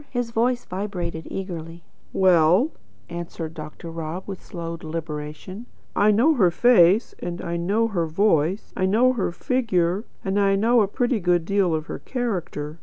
His voice vibrated eagerly. "Well," answered Dr. Rob, with slow deliberation, "I know her face, and I know her voice; I know her figure, and I know a pretty good deal of her character.